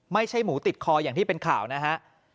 ไม่ใช่หมูติดคออย่างที่เป็นข่าวนะฮะ